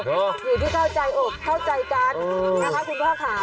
อยู่ที่เข้าใจไกลเข้าใจกันนะครับคุณท่าขา